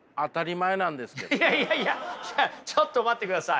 いやいやいやちょっと待ってください。